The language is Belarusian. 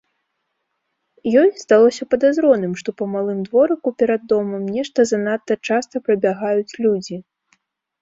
Ёй здалося падазроным, што па малым дворыку перад домам нешта занадта часта прабягаюць людзі.